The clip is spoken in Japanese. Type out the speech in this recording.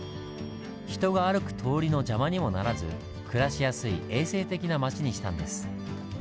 人が歩く通りの邪魔にもならず暮らしやすい衛生的な町にしたんです。